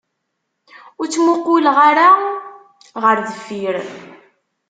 Ur ttmuqquleɣ ara ɣer deffir.